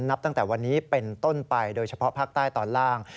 นับตั้งแต่วันนี้เป็นต้นไปโดยเฉพาะภาคใต้ตอนล่าง